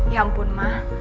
ya ampun ma